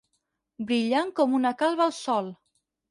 Brillant com una calba al sol.